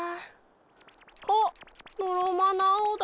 あっのろまなアオだ。